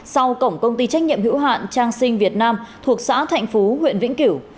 sau cổng công ty trách nhiệm hữu hạn trang sinh việt nam thuộc xã thành phố huyện vĩnh cửu